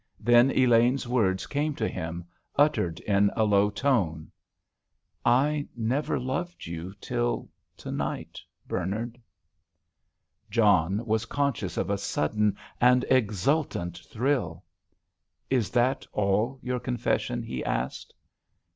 Then Elaine's words came to him, uttered in a low tone. "I never loved you till to night, Bernard!" John was conscious of a sudden and exultant thrill. "Is that all your confession?" he asked.